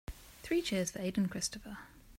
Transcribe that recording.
Three cheers for Aden Christopher.